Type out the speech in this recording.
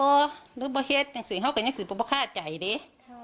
รู้หรือเปล่าเห็นนักศึกฮาวค่ายนักศึกประคาใจดี